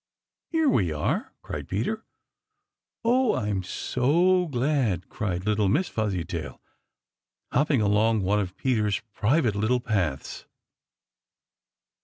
"Here we are!" cried Peter. "Oh, I'm so glad!" cried little Miss Fuzzytail, hopping along one of Peter's private little paths.